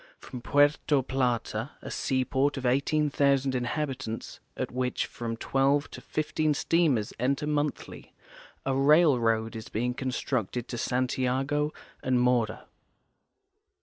From Puerto Plata, a seaport of 18,000 inhabitants, at which from 12 to 15 steamers enter monthly, a rail road is being constructed to Santiago and Mora.